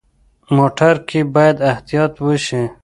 موټر کې باید احتیاط وشي.